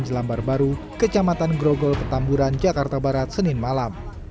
jelambar baru kecamatan grogol petamburan jakarta barat senin malam